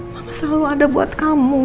mama selalu ada buat kamu